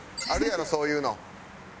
あるやろそういうの。